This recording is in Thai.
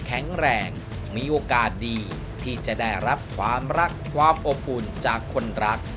แข็งแรงมีโอกาสดีที่จะได้รับความรักความอบอุ่นจากคนรัก